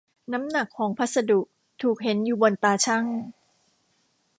น้ำหนักของพัสดุถูกเห็นอยู่บนตาชั่ง